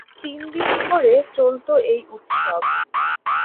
তিন দিন ধরে চলত এই উৎসব।